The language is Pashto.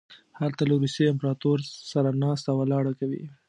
هلته له روسیې امپراطور سره ناسته ولاړه کوي.